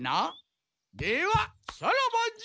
ではさらばじゃ！